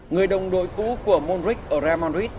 người đồng đội cũ của mondric ở real madrid